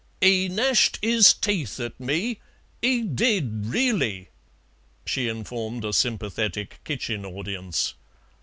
"'E gnashed 'is teeth at me, 'e did reely," she informed a sympathetic kitchen audience.